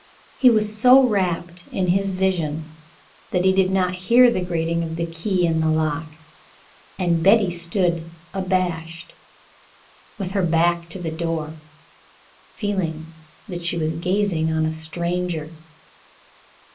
He was so rapt in his vision that he did not hear the grating of the key in the lock, and Betty stood abashed, with her back to the door, feeling that she was gazing on a stranger.